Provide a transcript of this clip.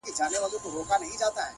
له څه مودې راهيسي داسـي يـمـه-